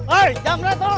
oi jangan berat tolong